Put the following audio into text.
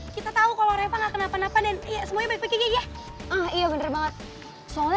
kita tahu kalau reva nggak kenapa napa dan ya semuanya baik baik aja ah iya bener banget soalnya